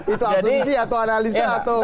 itu asumsi atau analisa atau